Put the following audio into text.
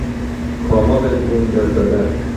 کۆمەڵێک بوون دەربەدەر